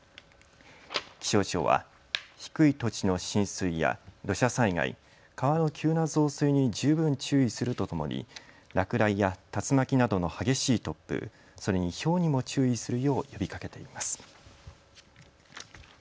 気象庁は低い土地の浸水や土砂災害、川の急な増水に十分注意するとともに落雷や竜巻などの激しい突風、それに、ひょうにも注意するよう呼びかけています。